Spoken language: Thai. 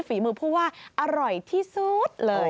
ฝีมือผู้ว่าอร่อยที่สุดเลย